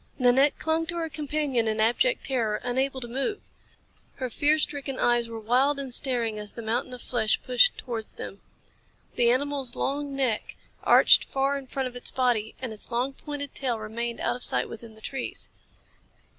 Nanette clung to her companion in abject terror, unable to move. Her fear stricken eyes were wild and staring as the mountain of flesh pushed towards them. The animal's long neck arched far in front of its body, and its long, pointed tail remained out of sight within the trees.